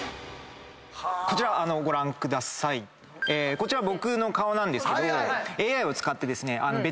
こちら僕の顔なんですけど。